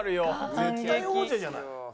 絶対王者じゃない。